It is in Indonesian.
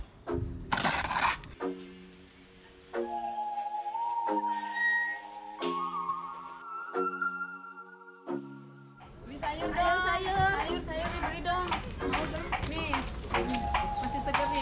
sayuran yang diberikan oleh bude